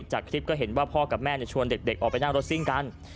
จากคลิปก็เห็นว่าพ่อกับแม่ชวนเด็กออกไปนั่งรถซิ่งกัน